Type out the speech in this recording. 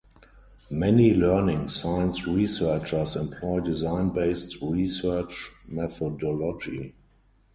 Many learning science researchers employ design-based research methodology.